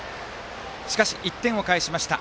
しかし１点を返しました。